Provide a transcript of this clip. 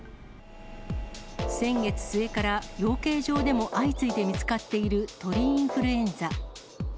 先月末から養鶏場でも相次いで見つかっている鳥インフルエンザ。